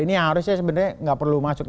ini harusnya sebenarnya nggak perlu masuk